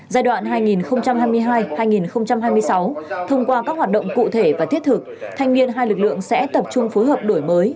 giai đoạn hai nghìn hai mươi hai hai nghìn hai mươi sáu thông qua các hoạt động cụ thể và thiết thực thanh niên hai lực lượng sẽ tập trung phối hợp đổi mới